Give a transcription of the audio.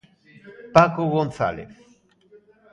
Paco González.